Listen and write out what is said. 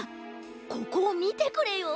ここをみてくれよ。